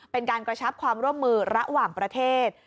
เป็นการกระชับความร่วมมือระหว่างประเทศ